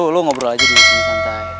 lo ngobrol aja dulu disini santai